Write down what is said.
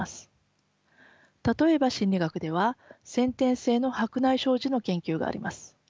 例えば心理学では先天性の白内障児の研究があります。